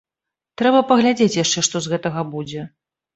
Трэба паглядзець яшчэ, што з гэтага будзе.